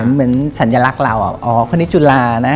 เหมือนสัญลักษณ์เราอ่ะอ๋อคนนี้จุฬานะ